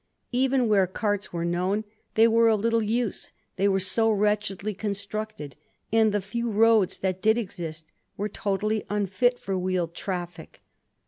Even where carts were known, they were of little use, they were so wretchedly constructed, and the few roads that did exist were totally unfit for wheeled traffic.